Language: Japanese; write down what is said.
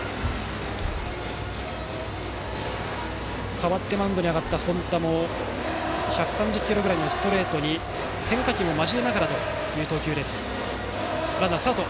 代わってマウンドに上がった本田の１３０キロぐらいのストレートに変化球も交えながらという投球。